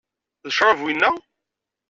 D ccṛab wina?